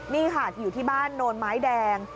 นี่ค่ะอยู่ที่บ้านโนนไม้แดง